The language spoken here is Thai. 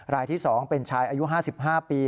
รายที่๒เป็นชายอายุ๕๕ปี